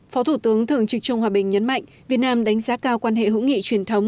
phó thủ tướng thường trực trương hòa bình nhấn mạnh việt nam đánh giá cao quan hệ hữu nghị truyền thống